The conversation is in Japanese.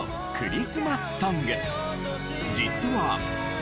実は。